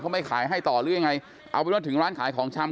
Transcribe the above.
เขาไม่ขายให้ต่อหรือยังไงเอาเป็นว่าถึงร้านขายของชำ